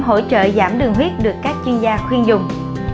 hỗ trợ giảm đường huyết được các chuyên gia khuyên dùng